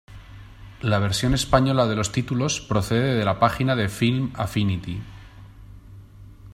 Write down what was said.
La versión española de los títulos procede de la página de FilmAffinity.